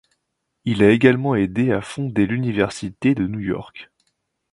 Il a également aidé à fonder l'université de New York.